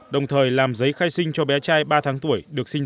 đồng thời làm giấy khai sinh cho bé trai ba tháng tuổi được sinh ra